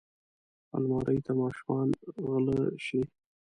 الماري ته ماشومان غله شي